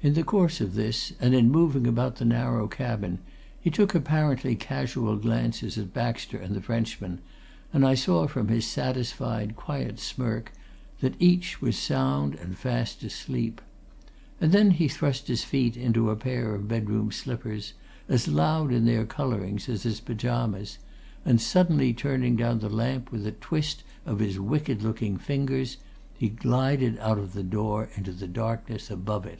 In the course of this, and in moving about the narrow cabin, he took apparently casual glances at Baxter and the Frenchman, and I saw from his satisfied, quiet smirk that each was sound and fast asleep. And then he thrust his feet into a pair of bedroom slippers, as loud in their colouring as his pyjamas, and suddenly turning down the lamp with a twist of his wicked looking fingers, he glided out of the door into the darkness above.